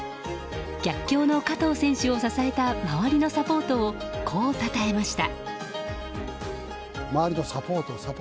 逆境の加藤選手を支えた周りのサポートをこうたたえました。